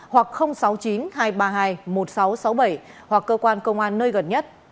hoặc sáu mươi chín hai trăm ba mươi hai một nghìn sáu trăm sáu mươi bảy hoặc cơ quan công an nơi gần nhất